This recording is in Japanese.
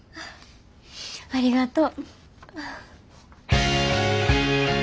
ありがとう。